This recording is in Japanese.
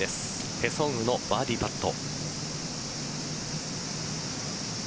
ペ・ソンウのバーディーパット。